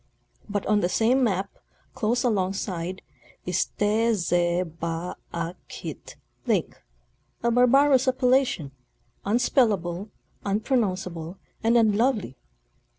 But on the same map, close along side, is " Te ze ba a kit Lake," a barbarous appellation—unspellable, unpro nounceable and unlovely.